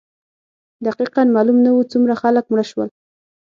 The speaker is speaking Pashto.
دقیقا معلوم نه وو څومره خلک مړه شول.